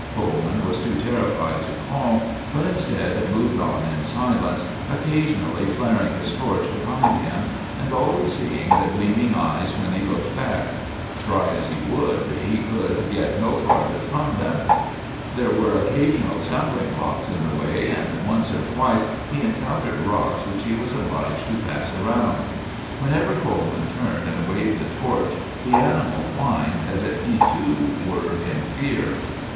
Coleman was too terrified to call, but instead moved on in silence, occasionally flaring his torch behind him, and always seeing the gleaming eyes when he looked back. Try as he would, he could get no farther from them. There were occasional stumbling blocks in the way, and once or twice he encountered rocks which he was obliged to pass around. Whenever Coleman turned and waved the torch, the animal whined as if he too were in fear.